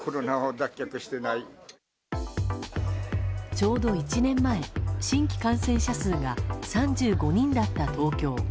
ちょうど１年前新規感染者数が３５人だった東京。